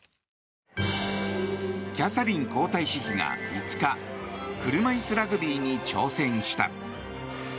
キャサリン皇太子妃が５日車いすラグビーに挑戦した。